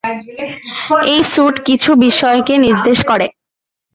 এই স্যুট কিছু বিষয়কে নির্দেশ করে।